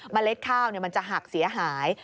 เล็ดข้าวมันจะหักเสียหาย